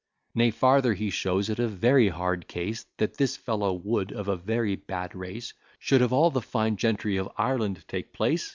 Nay, farther, he shows it a very hard case, That this fellow Wood, of a very bad race, Should of all the fine gentry of Ireland take place.